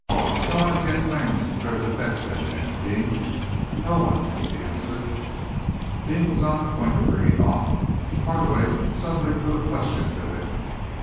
"No one has yet claimed Sinclair's effects, then?" asked Deane. "No one," was the answer. Deane was on the point of ringing off, but Hardaway suddenly put a question to him.